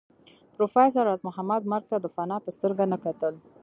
پروفېسر راز محمد مرګ ته د فناء په سترګه نه کتل